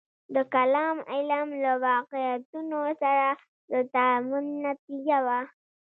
د کلام علم له واقعیتونو سره د تعامل نتیجه وه.